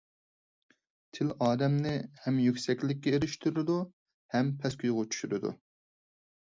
تىل ئادەمنى ھەم يۈكسەكلىككە ئېرىشتۈرىدۇ ھەم پەسكويغا چۈشۈرىدۇ.